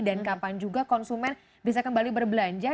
dan kapan juga konsumen bisa kembali berbelanja